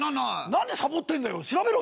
なんでサボってんだよ調べろよ。